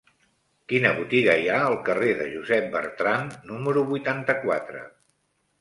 Quina botiga hi ha al carrer de Josep Bertrand número vuitanta-quatre?